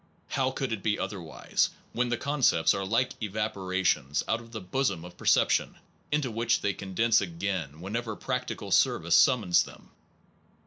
How percepts could it be otherwise when the con are con ce pts are like evaporations out of the substan tial bosom of perception, into which they condense again whenever practical service summons them?